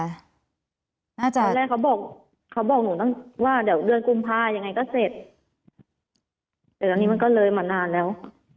ตอนแรกเขาบอกเขาบอกหนูตั้งว่าเดี๋ยวเดือนกุมภายังไงก็เสร็จแต่ตอนนี้มันก็เลยมานานแล้ว